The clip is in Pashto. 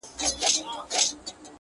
را ستنیږي به د وینو سېل وهلي؛